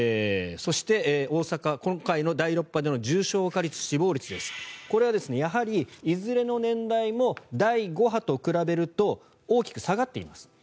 そして、大阪今回の第６波での重症化率、死亡率ですこれはやはり、いずれの年代も第５波と比べると大きく下がっています。